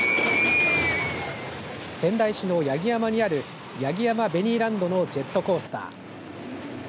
仙台市の八木山にある八木山ベニーランドのジェットコースター。